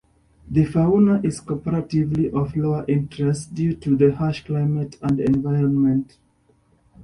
The fauna is comparatively of lower interest, due to the harsh climate and environment.